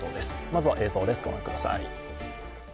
まずは映像です、御覧ください。